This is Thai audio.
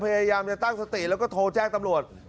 พยายามจะตั้งสติแล้วก็โทรแจ้งตำรวจ